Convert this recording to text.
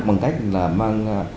bằng cách là mang